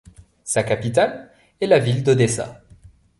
Sa capitale est la ville d'Odessa.